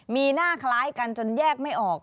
มีหน้าคล้ายกันจนแยกไม่ออก